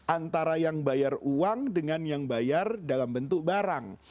antara yang bayar uang dengan yang bayar dalam bentuk barang